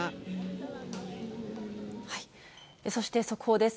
そして速報です。